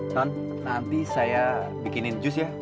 son nanti saya bikinin jus ya